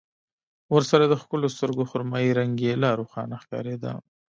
ورسره د ښکلو سترګو خرمايي رنګ يې لا روښانه ښکارېده.